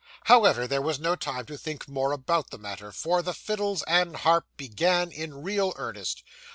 However, there was no time to think more about the matter, for the fiddles and harp began in real earnest.